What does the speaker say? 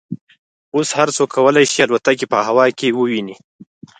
اوس هر څوک کولای شي الوتکې په هوا کې وویني